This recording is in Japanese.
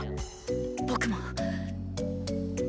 僕も。